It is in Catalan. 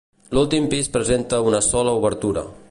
L'últim pis presenta una sola obertura.